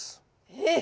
えっ！